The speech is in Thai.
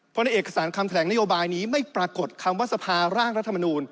เพราะในเอกสารคำแถลงนโยบายนี้ไม่ปรากฏคำว่าสภาร่างรัฐมนูล